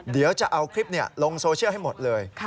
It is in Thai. เดี๋ยวจะเอาคลิปลงโซเชียลให้หมดเลย